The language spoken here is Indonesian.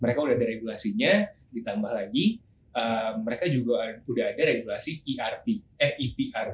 mereka udah ada regulasinya ditambah lagi mereka juga udah ada regulasi erp eh epr